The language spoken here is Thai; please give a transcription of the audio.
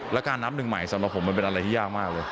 แล้วการนับหนึ่งใหม่สำหรับผมมันเป็นอะไรที่ยากมากเลย